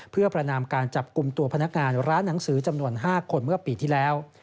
เพื่อประนามการจับกลุ่มตัวพนักงานร้านหนังสือจำนวน๕คนเมื่อปีที่แล้ว